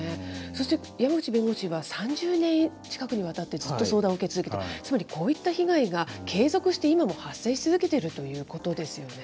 そして、山口弁護士は、３０年近くにわたってずっと相談を受け続けて、つまり、こういった被害が継続して今も発生し続けているということですね。